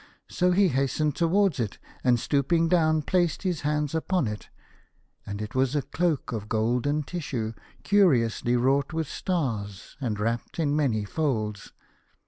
So he hastened towards it, and stooping down placed his hands upon it, and it was a cloak of golden tissue, curiously wrought with stars, and wrapped in many folds.